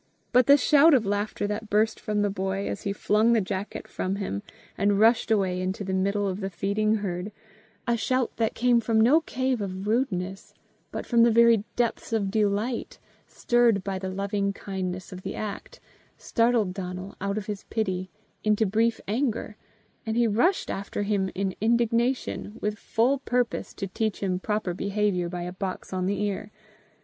But the shout of laughter that burst from the boy, as he flung the jacket from him, and rushed away into the middle of the feeding herd, a shout that came from no cave of rudeness, but from the very depths of delight, stirred by the loving kindness of the act, startled Donal out of his pity into brief anger, and he rushed after him in indignation, with full purpose to teach him proper behaviour by a box on each ear.